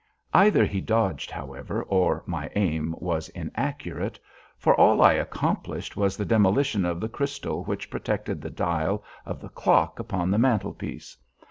Either he dodged, however, or my aim was inaccurate; for all I accomplished was the demolition of the crystal which protected the dial of the clock upon the mantelpiece.